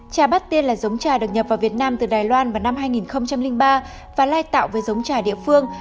trà bát tiên là giống trà được nhập vào việt nam từ đài loan vào năm hai nghìn ba và lai tạo với giống trà địa phương